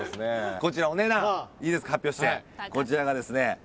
こちらお値段いいですか発表してこちらがですね